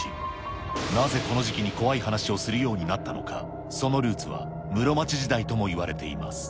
なぜこの時期に怖い話をするようになったのか、そのルーツは室町時代ともいわれています。